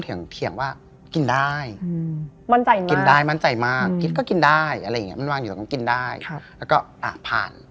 คนดีคนเดิมแหละ